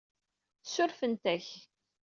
Ssurfent-ak.